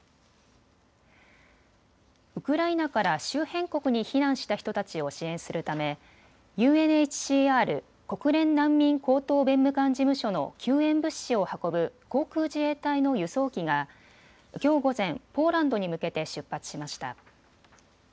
ウクライナから周辺国に避難した人たちを支援するためＵＮＨＣＲ・国連難民高等弁務官事務所の救援物資を運ぶ航空自衛隊の輸送機がきょう午前、ポーランドに向けて出発しました。